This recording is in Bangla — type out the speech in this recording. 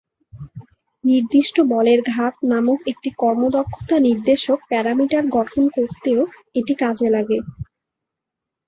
নির্দিষ্ট বলের ঘাত নামক একটি কর্মক্ষমতা নির্দেশক প্যারামিটার গঠন করতেও এটি কাজে লাগে।